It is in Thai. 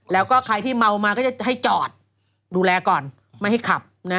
แล้วก็ใครที่เมามาก็จะให้จอดดูแลก่อนไม่ให้ขับ